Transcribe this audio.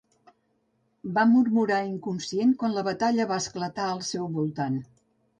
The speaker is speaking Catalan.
Va murmurar inconscient quan la batalla va esclatar al seu voltant.